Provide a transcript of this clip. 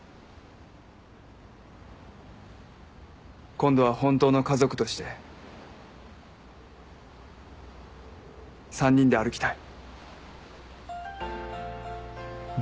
今度は本当の家族として３人で歩きたい。